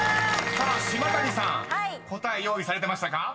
［さあ島谷さん答え用意されてましたか？］